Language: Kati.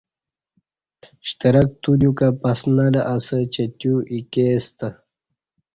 شترک تودیوکہ پسنہ لہ اسہ چہ تیو ایکے ستہ